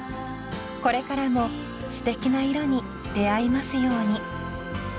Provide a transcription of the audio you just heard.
［これからもすてきな色に出合えますように］